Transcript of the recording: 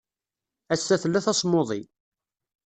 Ass-a tella tasmuḍi.